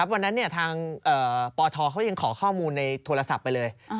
วันนั้นทางปทเขายังขอข้อมูลในโทรศัพท์ไปเลย